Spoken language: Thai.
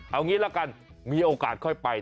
เอางี้ละกันมีโอกาสค่อยไป